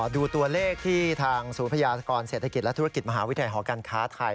ดูตัวเลขที่ทางศูนย์พยากรเศรษฐกิจและธุรกิจมหาวิทยาลัยหอการค้าไทย